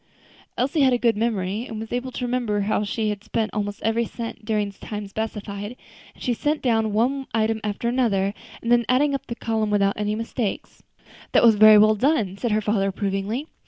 Elsie had a good memory, and was able to remember how she had spent almost every cent during the time specified; and she set down one item after another, and then added up the column without any mistake. "That was very well done," said her father approvingly.